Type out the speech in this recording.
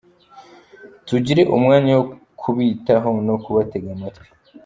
Tugire umwanya wo kubitaho no kubatega amatwi.